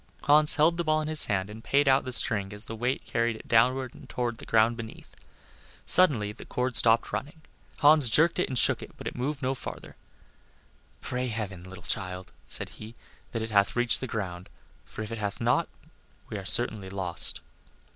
Hans held the ball in his hand and paid out the string as the weight carried it downward toward the ground beneath. Suddenly the cord stopped running. Hans jerked it and shook it, but it moved no farther. "Pray heaven, little child," said he, "that it hath reached the ground, for if it hath not we are certainly lost."